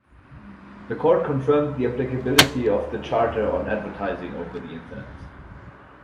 The court confirmed the applicability of the Charter on advertising over the Internet.